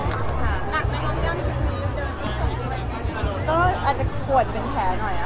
หนักแล้วว่ามีชื่นนี้เดินคิดอยู่ด้านหน้านี่ไหม